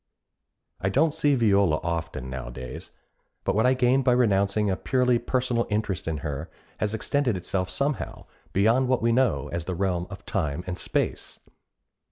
I don't see Viola often nowadays, but what I gained by renouncing a purely personal interest in her has extended itself somehow beyond what we know as the realm of time and space.